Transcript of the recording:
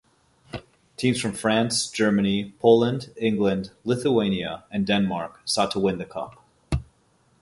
Teams from France, Germany, Poland, England, Lithuania and Denmark sought to win the Cup.